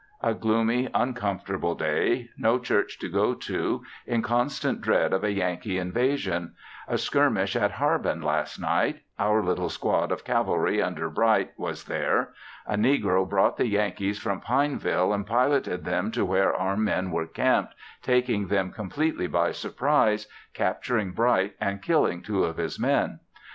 A gloomy, uncomfortable day; no church to go to; in constant dread of a Yankee invasion. A skirmish at Harbin last night; our little squad of cavalry under Bright was there. A negro brought the Yankees from Pineville and piloted them to where our men were camped taking them completely by surprise, capturing Bright and killing two of his men.